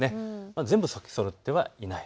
全部咲きそろってはいない。